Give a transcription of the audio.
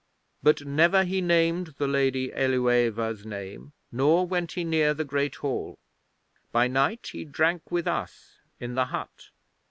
But never he named the Lady Ælueva's name, nor went he near the Great Hall. By night he drank with us in the hut.